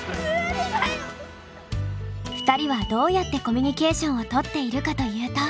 ２人はどうやってコミュニケーションをとっているかというと。